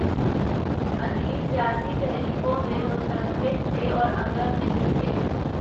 ادیب سیاسی تحریکوں میں متحرک تھے اور اگر نہیں تھے۔